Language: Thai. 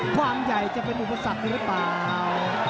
ความใหญ่จะเป็นอุปสรรคนี้หรือเปล่า